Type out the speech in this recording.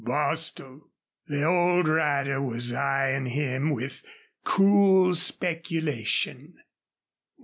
Bostil! The old rider was eying him with cool speculation.